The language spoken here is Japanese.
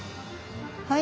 はい。